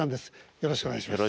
よろしくお願いします。